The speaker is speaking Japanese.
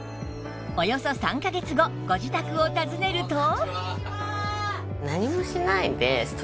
およそ３カ月後ご自宅を訪ねると